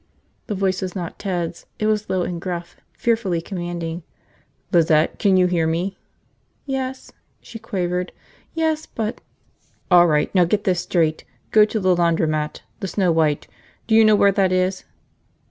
The voice was not Ted's. It was low and gruff, fearfully commanding. "Lizette, can you hear me?" "Yes," she quavered. "Yes, but ..." "All right. Now get this straight. Go to the laundromat, the Snow White. Do you know where that is?"